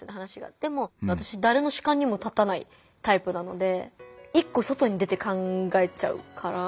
でも私誰の主観にも立たないタイプなので一個外に出て考えちゃうから。